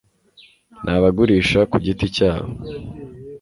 N ABAGURISHA KU GITI CYABO